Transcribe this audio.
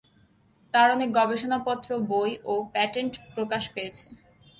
তার অনেক গবেষণাপত্র, বই ও প্যাটেন্ট প্রকাশ পেয়েছে।